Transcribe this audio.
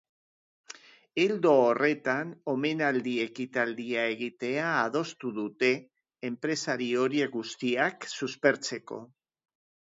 Ildo horretan, omenaldi ekitaldia egitea adostu dute, enpresari horiek guztiak suspertzeko.